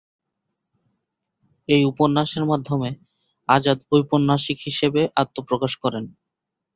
এই উপন্যাসের মাধ্যমে আজাদ ঔপন্যাসিক হিসাবে আত্মপ্রকাশ করেন।